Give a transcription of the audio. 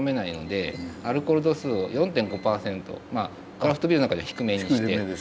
クラフトビールの中では低めにして。